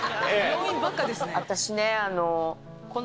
私ね。